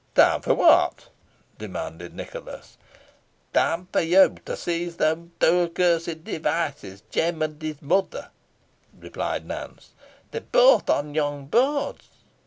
"Time for what?" demanded Nicholas. "Time for you to seize those two accursed Devices, Jem and his mother," replied Nance. "They are both on yon boards.